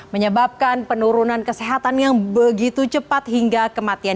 menyebabkan penurunan kesehatan yang begitu cepat hingga kematian